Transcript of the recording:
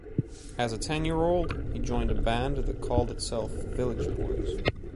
As a ten-year-old, he joined a band that called itself “Village Boys”.